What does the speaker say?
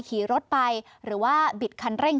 ขี่รถไปหรือว่าบิดคันเร่ง